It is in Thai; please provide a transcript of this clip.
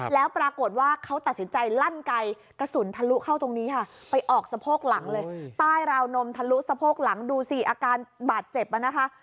แล้วปรากฏว่าเขาตัดสินใจลั่นไกลกระสุนทะลุเข้าตรงนี้ค่ะไปออกสะโพกหลังเลยใต้ราวนมทะลุสะโพกหลังดูสิอาการบาดเจ็บอ่ะนะคะ